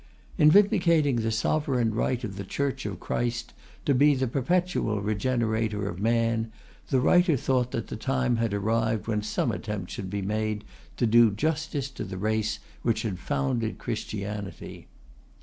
In vindicating the sovereign right of the Church of Christ to be the perpetual regenerator of man, the writer thought the time had arrived when some attempt should be made to do justice to the race which had founded Christianity.